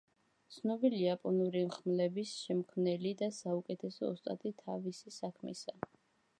ცნობილი იაპონური ხმლების შემქმნელი და საუკეთესო ოსტატი თავისი საქმისა.